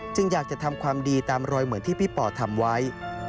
อยากจะทำความดีตามรอยเหมือนที่พี่ป่อทำไว้